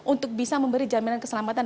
untuk bisa memberi jaminan keselamatan